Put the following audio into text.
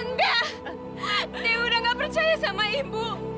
enggak dia udah gak percaya sama ibu